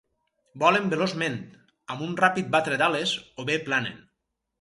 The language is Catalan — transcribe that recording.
Volen veloçment, amb un ràpid batre d'ales, o bé planen.